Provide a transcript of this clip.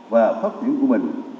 và phát triển của mình